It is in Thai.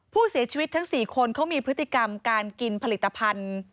ผู้เสียชีวิตทั้ง๔คนเขามีพฤติกรรมการกินผลิตภัณฑ์